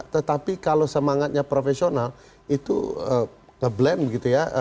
tetapi kalau semangatnya profesional itu ngeblend begitu ya